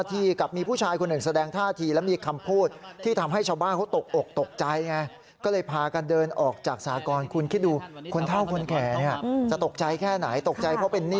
ตกใจเพราะเป็นหนี้ไม่ได้ก่ออยู่แล้วยังตกใจ